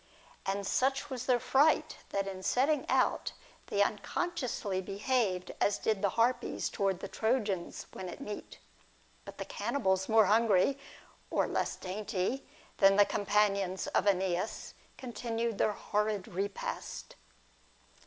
And such was their fright that in setting out they uncon sciously behaved as did the Harpies towards the Trojans when at meat. But the cannibals, more hungry, or less dainty, than the companions of ^neas, continued their horrid repast.